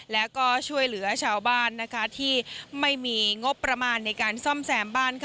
แล้วก็ช่วยเหลือชาวบ้านที่ไม่มีงบประมาณในการซ่อมแซมบ้าน